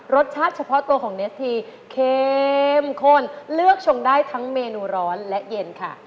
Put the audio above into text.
รสชาติเฉพาะตัวของเนสทีเข้มข้นเลือกชมได้ทั้งเมนูร้อนและเย็นค่ะ